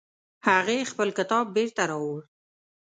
هغې خپل کتاب بیرته راوړ